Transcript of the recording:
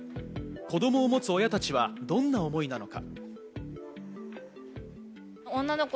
子どもを持つ親たちは、どんな思いなのか？